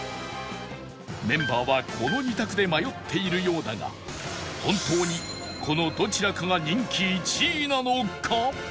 メンバーはこの２択で迷っているようだが本当にこのどちらかが人気１位なのか？